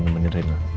mau menemani rena